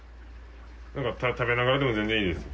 食べながらでも全然いいです。